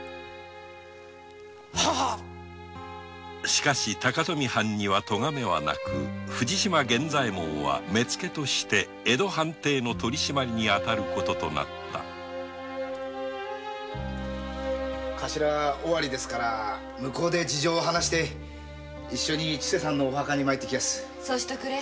しかし高富藩にはとがめはなく藤島玄左衛門は目付として江戸藩邸の取り締まりに当たる事となった頭は尾張ですから向こうで事情を話して一緒に千世さんのお墓に参ります。